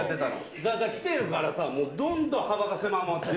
きてるからさ、もうどんどん幅が狭まってる。